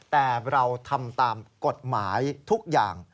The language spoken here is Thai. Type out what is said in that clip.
แต่เราทำตามกฎหมายทุกอย่าง